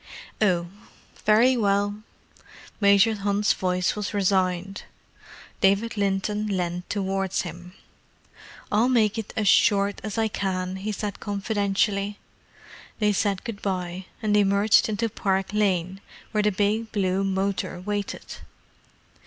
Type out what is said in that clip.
"Oh, very well." Major Hunt's voice was resigned. David Linton leaned towards him. "I'll make it as short as I can," he said confidentially. They said good bye, and emerged into Park Lane, where the big blue motor waited.